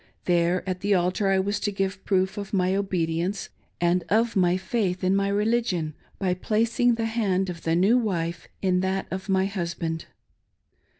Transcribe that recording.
There at the altar I was to give proof of my obedience and of my faith' in my religion, by placing the hand of the new wife in that of my husband.